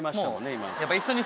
今。